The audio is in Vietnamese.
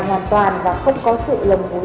hoàn toàn và không có sự lồng mũi